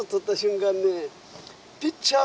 ピッチャー